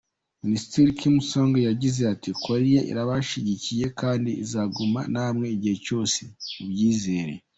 Ministiri Kim Sung yagize ati: “Korea irabashyigikiye kandi izagumana namwe igihe cyose, mubyizere.